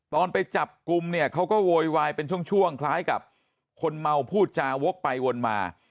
ตอนไปจับกลุ่มเนี่ยเขาก็โวยวายเป็นช่วงคล้ายกับคนเมาพูดจาวกไปวนมา